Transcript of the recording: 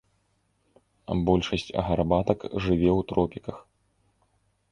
Большасць гарбатак жыве ў тропіках.